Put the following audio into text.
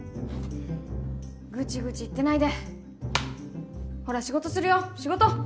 ぐちぐち言ってないでほら仕事するよ仕事！